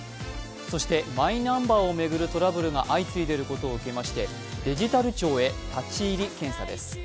そしてマイナンバーを巡るトラブルが相次いでいることを受けましてデジタル庁へ立入検査です。